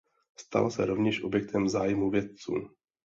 Stala se rovněž objektem zájmu vědců.